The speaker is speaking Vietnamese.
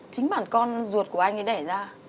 chính bản con ruột của anh ấy đẻ ra